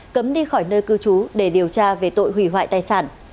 cấm đi khỏi nơi cư trú để điều tra về tội hủy hoại tài sản